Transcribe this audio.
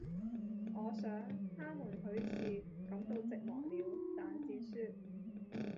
我想，他們許是感到寂寞了，但是說：